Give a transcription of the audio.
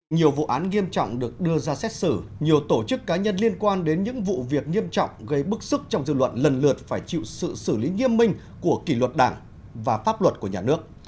nhiều vụ án nghiêm trọng được đưa ra xét xử nhiều tổ chức cá nhân liên quan đến những vụ việc nghiêm trọng gây bức xúc trong dư luận lần lượt phải chịu sự xử lý nghiêm minh của kỷ luật đảng và pháp luật của nhà nước